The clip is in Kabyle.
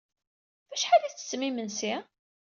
Ɣef wacḥal ay tettettem imensi?